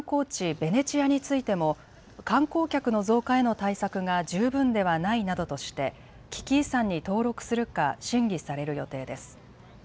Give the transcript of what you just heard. ベネチアについても観光客の増加への対策が十分ではないなどとして危機遺産に登録するか審議される予定です。